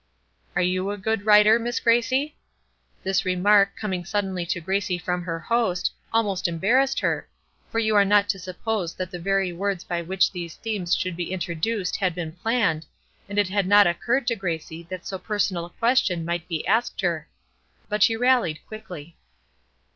"Are you a good writer, Miss Gracie?" This remark, coming suddenly to Gracie from her host, almost embarrassed her, for you are not to suppose that the very words by which these themes should be introduced had been planned, and it had not occurred to Gracie that so personal a question might be asked her. But she rallied quickly.